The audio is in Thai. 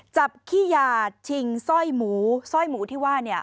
จับขี้ยาชิงซ่อยหมูซ่อยหมูที่ว่าเนี่ย